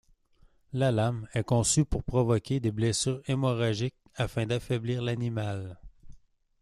La lame est conçue pour provoquer des blessures hémorragiques afin d'affaiblir l'animal.